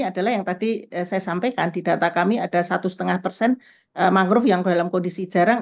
adalah yang tadi saya sampaikan di data kami ada satu lima persen mangrove yang dalam kondisi jarang